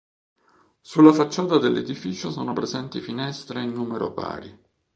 Sulla facciata dell'edificio sono presenti finestre in numero pari.